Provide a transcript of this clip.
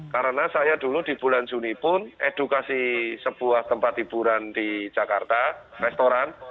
karena saya dulu di bulan juni pun edukasi sebuah tempat hiburan di jakarta restoran